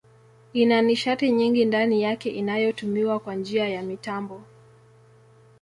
Ina nishati nyingi ndani yake inayotumiwa kwa njia ya mitambo.